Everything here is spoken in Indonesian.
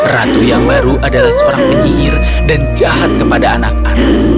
ratu yang baru adalah seorang penyihir dan jahat kepada anak anak